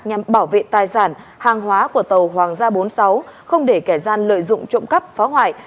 nhằm bảo vệ tài sản hàng hóa của tàu hoàng gia bốn mươi sáu không để kẻ gian lợi dụng trộm cắp phá hoại